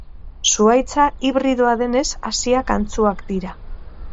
Zuhaitza hibridoa denez, haziak antzuak dira.